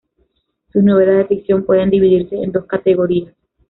Sus novelas de ficción pueden dividirse en dos categorías.